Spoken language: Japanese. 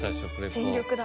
全力だ。